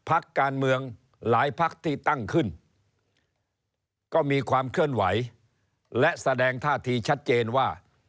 และแสดงท่าทีชัดเจนว่า